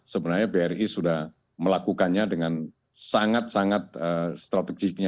sebenarnya bri sudah melakukannya dengan sangat sangat strategiknya